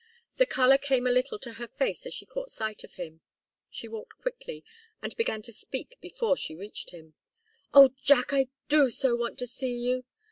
The colour came a little to her face as she caught sight of him. She walked quickly, and began to speak before she reached him. "Oh Jack! I do so want to see you!"